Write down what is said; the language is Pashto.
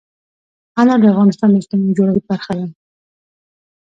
انار د افغانستان د اجتماعي جوړښت برخه ده.